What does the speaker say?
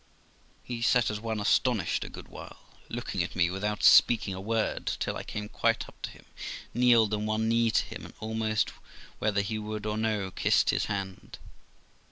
He sat as one astonished a good while, looking at me, without speaking a word, till I came quite up to him, kneeled on one knee to him, and almost, whether he would or no, kissed his hand.